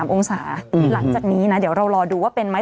มองศาหลังจากนี้นะเดี๋ยวเรารอดูว่าเป็นไหม